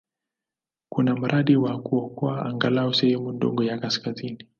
Kuna mradi wa kuokoa angalau sehemu ndogo ya kaskazini.